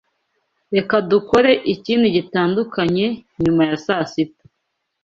Reka dukore ikindi gitandukanye nyuma ya saa sita.